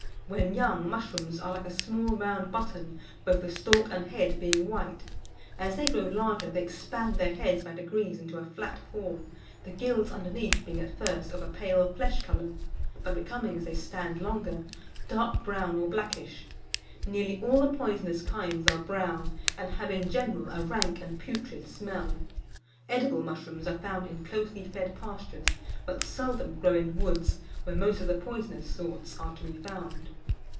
When young, mushrooms are like a small round button, both the stalk and head being white. As they grow larger, they expand their heads by degrees into a flat form, the gills underneath being at first of a pale flesh colour, but becoming, as they stand longer, dark brown or blackish. Nearly all the poisonous kinds are brown, and have in general a rank and putrid smell. Edible mushrooms are found in closely fed pastures, but seldom grow in woods, where most of the poisonous sorts are to be found.